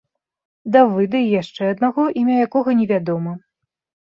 Давыда і яшчэ аднаго, імя якога не вядома.